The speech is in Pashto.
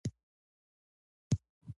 که تار وي نو کارډستي نه ځوړندیږي.